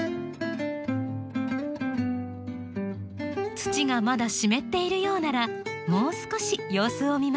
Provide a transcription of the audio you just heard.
土がまだ湿っているようならもう少し様子を見ましょう。